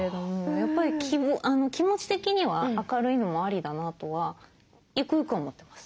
やっぱり気持ち的には明るいのもありだなとはゆくゆくは思ってます。